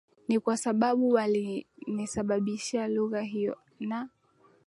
ni kwa sababu waliinasibisha lugha hiyo na